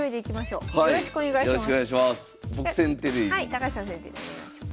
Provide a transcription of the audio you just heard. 高橋さん先手でお願いします。